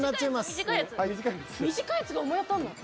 短いやつが思い当たんない。